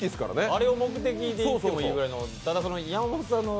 あれを目的に行ってもいいぐらいの。